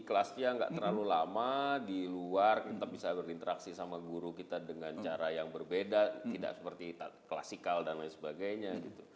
kelasnya nggak terlalu lama di luar kita bisa berinteraksi sama guru kita dengan cara yang berbeda tidak seperti klasikal dan lain sebagainya